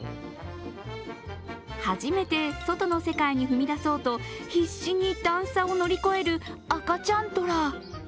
初めて外の世界に踏み出そうと必死に段差を乗り越える赤ちゃん虎。